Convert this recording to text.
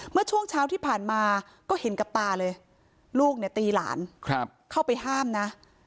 เมื่อช่วงเช้าที่ผ่านมาก็เห็นกับตาเลยลูกเนี่ยตีหลานเข้าไปห้ามนะ